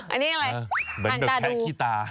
อันนี้อะไรห่างตาดู